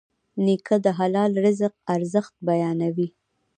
نیکه د حلال رزق ارزښت بیانوي.